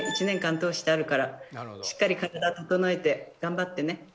１年間通してあるからしっかり体整えて頑張ってね。